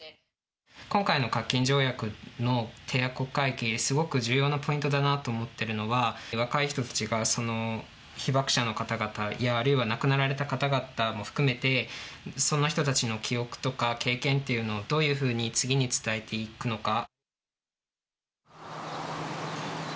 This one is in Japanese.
今回の核禁条約の締約国会議で、すごく重要なポイントだなと思ってるのは、若い人たちがその被爆者の方々や、あるいは亡くなられた方々も含めて、その人たちの記憶とか経験っていうのを、どういうふうに次に伝えていくのか。